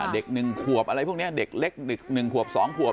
เด็กหนึ่งขวบอะไรพวกนี้เด็กเล็กหนึ่งขวบสองขวบ